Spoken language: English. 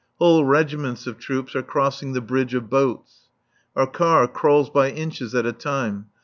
Whole regiments of troops are crossing the bridge of boats. Our car crawls by inches at a time.